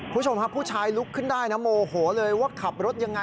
คุณผู้ชมครับผู้ชายลุกขึ้นได้นะโมโหเลยว่าขับรถยังไง